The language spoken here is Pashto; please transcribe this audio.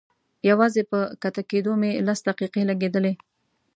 يوازې په کښته کېدو مې لس دقيقې لګېدلې.